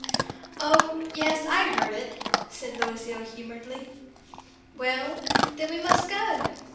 "Oh, yes, I heard it," said Louis ill humoredly. "Well, then we must go!"